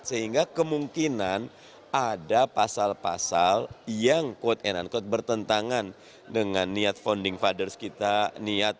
sehingga kemungkinan ada pasal pasal yang kotak dan unkot bertentangan dengan niat founding fathers kita